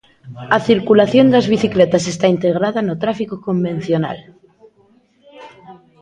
A circulación das bicicletas está integrada no tráfico convencional.